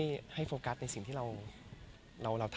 ก็มีไปคุยกับคนที่เป็นคนแต่งเพลงแนวนี้